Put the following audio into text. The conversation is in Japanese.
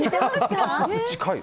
近い。